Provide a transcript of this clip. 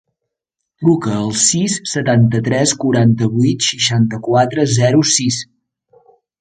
Truca al sis, setanta-tres, quaranta-vuit, seixanta-quatre, zero, sis.